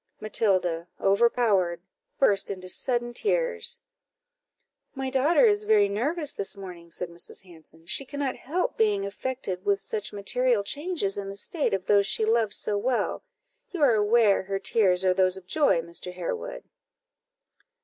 Matilda, overpowered, burst into sudden tears. "My daughter is very nervous this morning," said Mrs. Hanson; "she cannot help being affected with such material changes in the state of those she loves so well; you are aware her tears are those of joy, Mr. Harewood."